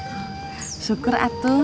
oh syukur atu